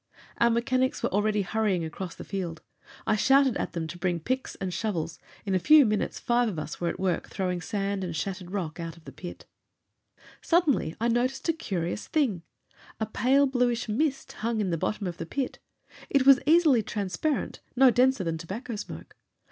Our mechanics were already hurrying across the field. I shouted at them to bring picks and shovels. In a few minutes five of us were at work throwing sand and shattered rock out of the pit. Suddenly I noticed a curious thing. A pale bluish mist hung in the bottom of the pit. It was easily transparent, no denser than tobacco smoke.